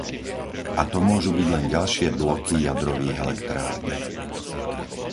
A to môžu byť len ďalšie bloky jadrových elektrární.